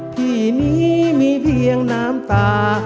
ที่นี้มีเพียงน้ำตา